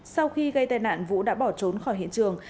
sau khi gây tai nạn vũ đã bỏ trốn khỏi hiện trường